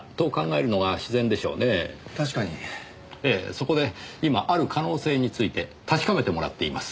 そこで今ある可能性について確かめてもらっています。